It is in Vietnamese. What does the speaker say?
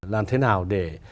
là thế nào để